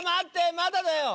まだだよ！